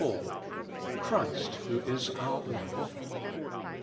— Christ zvho is our life.